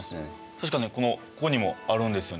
確かここにもあるんですよね。